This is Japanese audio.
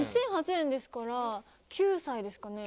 ２００８年ですから９歳ですかね。